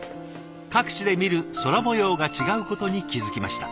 各地で見る空もようが違うことに気付きました。